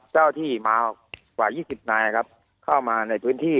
เจ้าที่มากว่า๒๐นายครับเข้ามาในพื้นที่